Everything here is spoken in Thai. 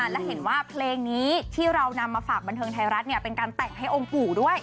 และเห็นว่าเพลงนี้ที่เรานำมาฝากบันเทิงไทยรัฐเป็นการแต่งให้องค์ปู่ด้วย